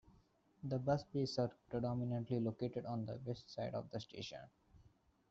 The bus bays are predominantly located on the west side of the station.